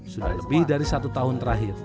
sudah lebih dari satu tahun terakhir